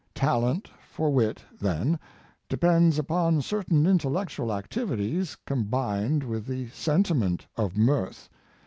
Talent for wit, then, depends upon certain intellectual activities com bined with the sentiment of mirth.